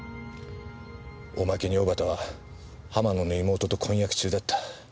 おまけに小幡は浜野の妹と婚約中だった。